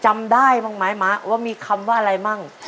ถามได้หรือเปล่าไหมมะว่ามีคำเป็นคำว่าอะไรบ้าง